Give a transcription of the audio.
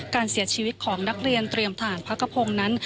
การเสียชีวิตของนักเรียนเตรียมทหารพักกระพงศ์นั้น